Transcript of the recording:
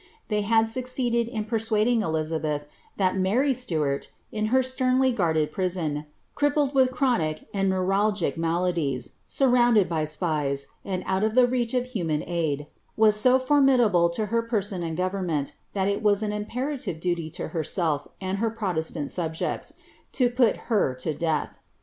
They had succeeded in persuading ElizabAh that Maiy flkoart, in her sternly guarded prison, crippled with chronic and neural gic maladies, surrounded by spies, and out of the reach of human aid, Iran so formidable to her person and government, that it was an impera tive duty to herself and her Protestant subjects to put her to death.